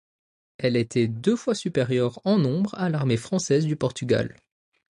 Elle était deux fois supérieure en nombre à l'armée française du Portugal.